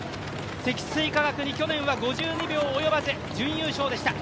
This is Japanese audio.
積水化学に去年は５２秒及ばず準優勝でした。